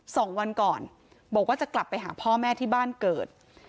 สองวันก่อนบอกว่าจะกลับไปหาพ่อแม่ที่บ้านเกิด